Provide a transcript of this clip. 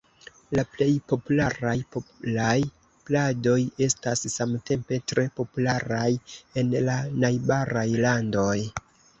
La plej popularaj polaj pladoj estas samtempe tre popularaj en la najbaraj landoj.